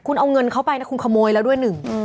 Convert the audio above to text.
คุณเอาเงินเข้าไปนะคุณขโมยแล้วด้วยหนึ่ง